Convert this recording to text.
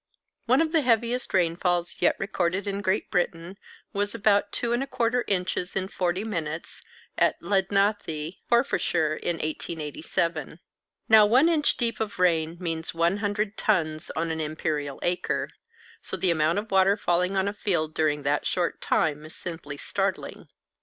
One of the heaviest rainfalls yet recorded in Great Britain was about 2 1/4 inches in forty minutes at Lednathie, Forfarshire, in 1887. Now 1 inch deep of rain means 100 tons on an imperial acre; so the amount of water falling on a field during that short time is simply startling.